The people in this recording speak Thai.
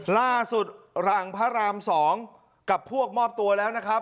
ล่าสุดหลังพระรามสองกับพวกมอบตัวแล้วนะครับ